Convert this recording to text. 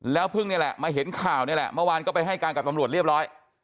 เพิ่งนี่แหละมาเห็นข่าวนี่แหละเมื่อวานก็ไปให้การกับตำรวจเรียบร้อย